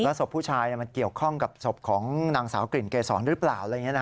แล้วศพผู้ชายมันเกี่ยวข้องกับศพของนางสากลิ่นเกษรรหรือเปล่า